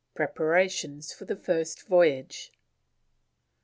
PREPARATIONS FOR FIRST VOYAGE.